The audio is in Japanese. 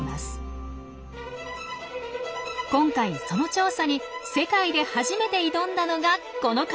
今回その調査に世界で初めて挑んだのがこの方。